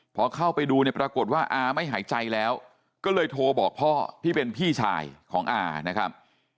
พอเข้าไปดูเนี่ยปรากฏว่าอาไม่หายใจแล้วก็เลยโทรบอกพ่อที่เป็นพี่ชายของอานะครับ